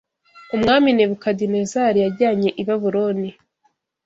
UMWAMI Nebukadinezari yajyanye i Babuloni